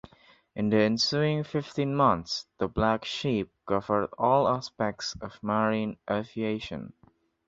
In the ensuing fifteen months, the Black Sheep covered all aspects of Marine aviation.